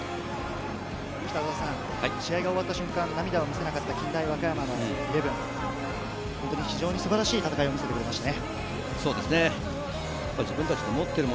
試合が終わった瞬間、涙を見せた近大和歌山、非常に素晴らしい戦いを見せてくれましたね。